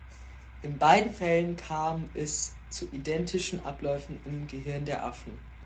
In beiden Fällen kam es zu identischen Abläufen im Gehirn der Affen.